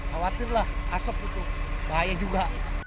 khawatir lah asap itu bahaya juga